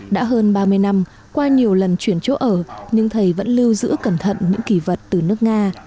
đã hơn ba mươi năm qua nhiều lần chuyển chỗ ở nhưng thầy vẫn lưu giữ cẩn thận những kỳ vật từ nước nga